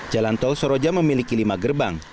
jalan tol soroja memiliki lima gerbang